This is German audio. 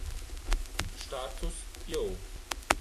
Status Yo!